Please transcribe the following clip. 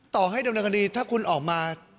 ต่อให้ดำเนินคดีถ้าคุณออกมา